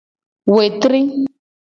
Wetri.